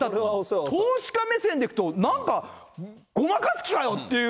投資家目線でいくと、なんかごまかす気かよ？っていう。